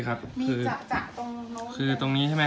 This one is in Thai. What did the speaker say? กลับมาร้อยเท้า